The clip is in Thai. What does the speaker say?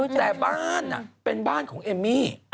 แต่บ้านเป็นบ้านของเอมมี่